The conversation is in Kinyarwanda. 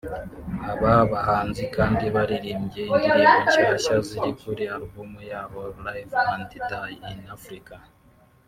Aba bahanzi kandi baririmbye indirimbo nshyashya ziri kuri album yabo ‘Live And Die In Afrika’